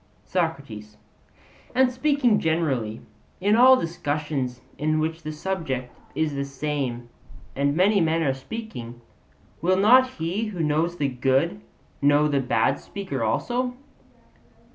SOCRATES: And speaking generally, in all discussions in which the subject is the same and many men are speaking, will not he who knows the good know the bad speaker also?